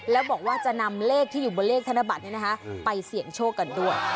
แล้วบอกว่าจะนำเลขที่อยู่บนเลขธนบัตรไปเสี่ยงโชคกันด้วย